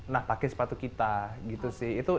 nah pakai sepatu kita gitu sih